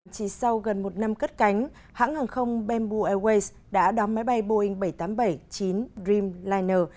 chỉ sau gần một năm cất cánh hãng hàng không bamboo airways đã đóng máy bay boeing bảy trăm tám mươi bảy chín dream liner